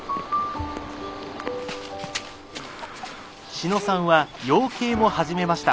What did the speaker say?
志野さんは養鶏も始めました。